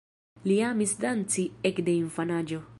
Li amis danci ekde infanaĝo.